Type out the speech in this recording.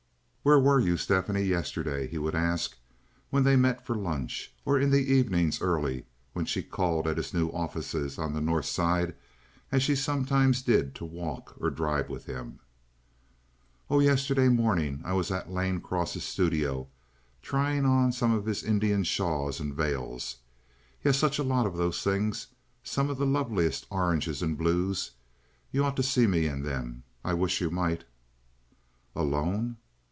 "Where were you, Stephanie, yesterday?" he would ask, when they met for lunch, or in the evenings early, or when she called at his new offices on the North Side, as she sometimes did to walk or drive with him. "Oh, yesterday morning I was at Lane Cross's studio trying on some of his Indian shawls and veils. He has such a lot of those things—some of the loveliest oranges and blues. You just ought to see me in them. I wish you might." "Alone?"